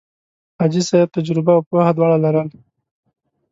حاجي صاحب تجربه او پوه دواړه لرل.